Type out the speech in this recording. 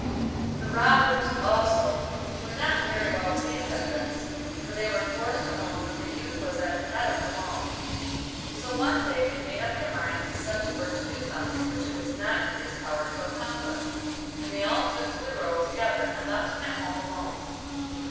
The robbers, also, were not very well pleased at this, for they were forced to own that the youth was at the head of them all. So one day they made up their minds to set to work to do something which it was not in his power to accomplish, and they all took to the road together, and left him at home alone.